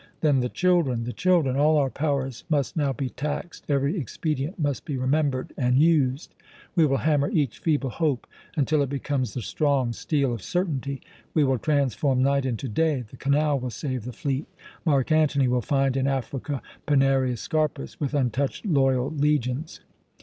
Then the children, the children! All our powers must now be taxed, every expedient must be remembered and used. We will hammer each feeble hope until it becomes the strong steel of certainty. We will transform night into day. The canal will save the fleet. Mark Antony will find in Africa Pinarius Scarpus with untouched loyal legions.